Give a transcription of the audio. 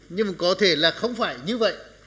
nhưng mà có thể là không phải như vậy